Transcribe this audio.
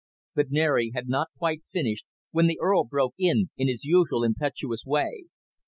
But Mary had not quite finished, when the Earl broke in, in his usual impetuous way.